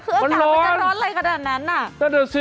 คืออากาศมันจะร้อนอะไรกันตั้งนั้นน่ะนั่นแหละสิ